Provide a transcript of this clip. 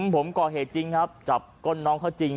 ผมก่อเหตุจริงครับจับก้นน้องเขาจริง